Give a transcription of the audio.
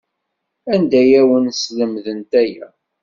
Anda ay awen-slemdent aya?